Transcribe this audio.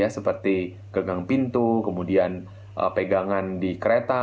seperti gegang pintu kemudian pegangan di kereta